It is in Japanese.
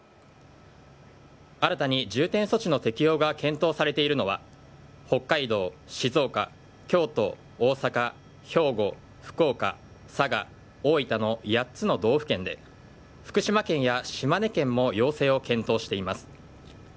新たに重点措置の適用が検討されているのは北海道、静岡、京都、大阪、兵庫福岡、佐賀、大分の８つの道府県で福島県や島根県も要請を検討しています。